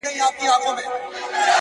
د ژوندون زړه ته مي د چا د ږغ څپه راځي.!